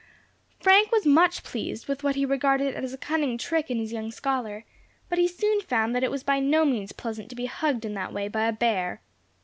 Frank was much pleased with what he regarded as a cunning trick in his young scholar; but he soon found that it was by no means pleasant to be hugged in that way by a bear.